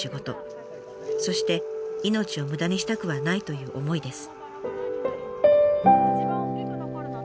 そして命を無駄にしたくはないという思いです。